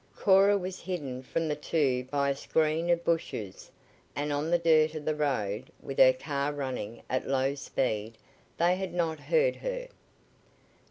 Cora was hidden from the two by a screen of bushes, and on the dirt of the road, with her car running at low speed, they had not heard her.